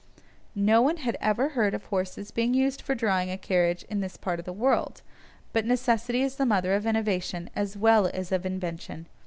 No one had ever heard of horses being used for drawing a carriage in this part of the world, but necessity is the mother of innovation as well as of invention.